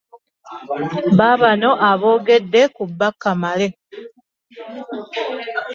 Babano abogedde ku Bakka Male